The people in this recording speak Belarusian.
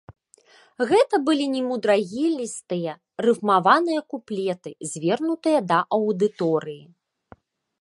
Гэта былі немудрагелістыя рыфмаваныя куплеты, звернутыя да аўдыторыі.